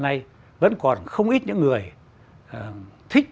nay vẫn còn không ít những người thích